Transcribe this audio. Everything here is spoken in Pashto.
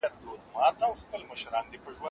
هغه پوهیده حالت خطرناک دی.